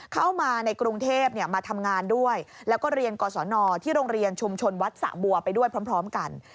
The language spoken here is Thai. เข้ามาในกรุงเทพมาทำงานด้วยแล้วก็เรียนกศนที่โรงเรียนชุมชนวัดสะบัวไปด้วยพร้อมกัน